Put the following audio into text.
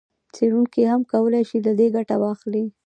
څېړونکي هم کولای شي له دې ګټه واخلي.